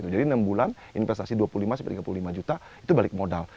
jadi enam bulan investasi dua puluh lima hingga tiga puluh lima juta itu balik modal